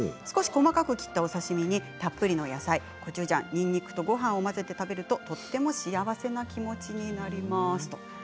少し細かく切ったお刺身にたっぷりの野菜、コチュジャンにんにくと、ごはんを混ぜて食べるととても幸せな気持ちになります。